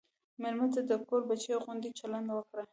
مېلمه ته د کور بچی غوندې چلند وکړه.